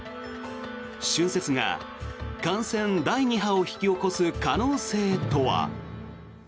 春節が感染第２波を引き起こす可能性とは。